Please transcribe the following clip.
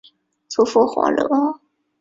祖父黄福二。